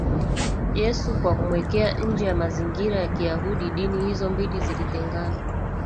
Yesu kwa kumweka nje ya mazingira ya Kiyahudi Dini hizo mbili zilitengana